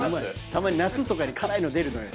たまに夏とかに辛いの出るのよ